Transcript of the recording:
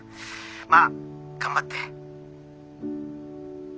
まあ頑張って。